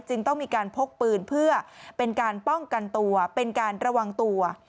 ต้องมีการพกปืนเพื่อเป็นการป้องกันตัวเป็นการระวังตัว